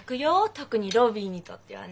特にロビーにとってはね。